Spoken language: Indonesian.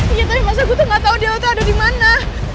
iya tapi masa gue tuh gak tau dewa tuh ada di mana